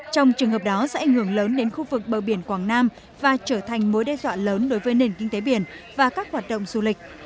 trong trường hợp đó sẽ ảnh hưởng lớn đến khu vực bờ biển quảng nam và trở thành mối đe dọa lớn đối với nền kinh tế biển và các hoạt động du lịch